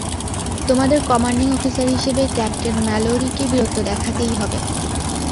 তোমাদের commanding officer হিসাবে, captain ম্যালোরিকে বীরত্ব দেখাতেই হবে।